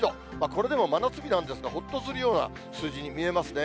これでも真夏日なんですが、ほっとするような数字に見えますね。